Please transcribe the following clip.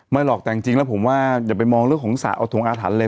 หรอกแต่จริงแล้วผมว่าอย่าไปมองเรื่องของสระอาถงอาถรรพ์เลย